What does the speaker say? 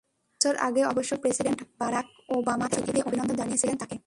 দুই বছর আগে অবশ্য প্রেসিডেন্ট বারাক ওবামা চিঠি দিয়ে অভিনন্দন জানিয়েছিলেন তাঁকে।